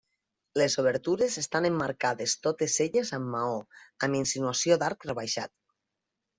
Les obertures estan emmarcades totes elles amb maó, amb insinuació d'arc rebaixat.